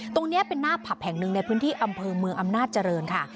ตรงนี้เป็นหน้าผับแห่งหนึ่งในพื้นที่อำเภอเมืองอำนาจเจริญค่ะ